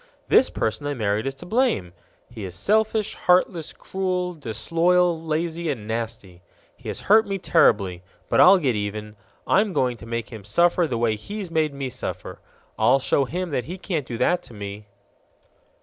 "This person I married is to blame. He is selfish, heartless, cruel, disloyal, lazy, and nasty. He has hurt me terribly, but I'll get even. I'm going to make him suffer the way he's made me suffer. I'll show him that he can't do that to me!"